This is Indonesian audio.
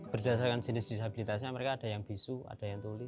berdasarkan jenis disabilitasnya mereka ada yang bisu ada yang tuli